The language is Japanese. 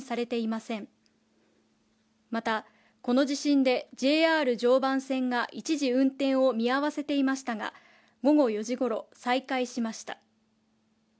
また、この地震でＪＲ常磐線が一時運転を見合わせていましたが、午後４時ごろ、再開しました。